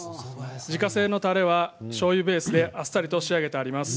自家製のたれはしょうゆベースであっさりと仕上げています。